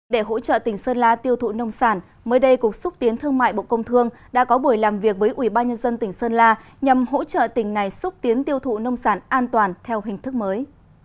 để hỗ trợ tỉnh sơn la tiêu thụ nông sản mới đây cục xúc tiến thương mại bộ công thương đã có buổi làm việc với ủy ban nhân dân tỉnh sơn la nhằm hỗ trợ tỉnh này xúc tiến tiêu thụ nông sản an toàn theo hình thức mới